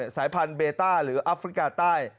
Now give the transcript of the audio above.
สายพันธุเบต้าหรืออัฟริกาใต้